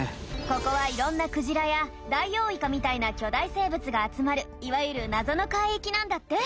ここはいろんなクジラやダイオウイカみたいな巨大生物が集まるいわゆる「謎の海域」なんだって。